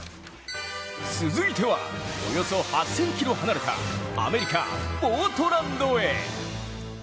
続いてはおよそ８０００ｋｍ離れたアメリカ・ポートランドへ。